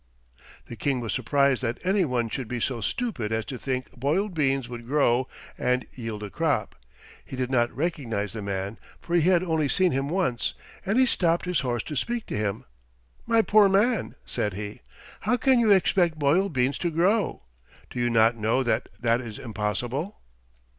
The King was surprised that any one should be so stupid as to think boiled beans would grow and yield a crop. He did not recognize the man, for he had only seen him once, and he stopped his horse to speak to him. "My poor man," said he, "how can you expect boiled beans to grow? Do you not know that that is impossible?"